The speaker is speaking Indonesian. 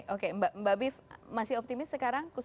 oke mbak biv masih optimis sekarang